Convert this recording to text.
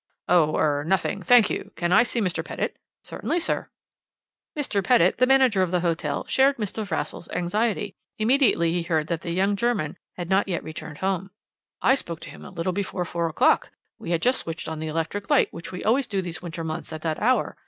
"'Oh er nothing thank you. Can I see Mr. Pettitt?' "'Certainly, sir.' "Mr. Pettitt, the manager of the hotel, shared Mr. Vassall's anxiety, immediately he heard that the young German had not yet returned home. "'I spoke to him a little before four o'clock. We had just switched on the electric light, which we always do these winter months at that hour.